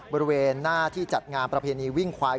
บริเวณหน้าที่จัดงานประเพณีวิ่งควาย